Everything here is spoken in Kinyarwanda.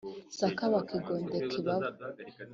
sakabaka igondeka ibaba